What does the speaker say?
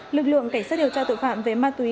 lực lượng cảnh sát điều tra tội phạm về ma túy